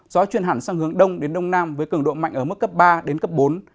gió chuyển hẳn sang hướng đông đến đông nam với cường độ mạnh ở mức cấp ba đến cấp bốn